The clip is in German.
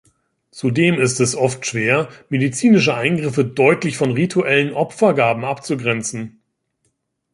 Zudem ist es oft schwer, medizinische Eingriffe deutlich von rituellen Opfergaben abzugrenzen.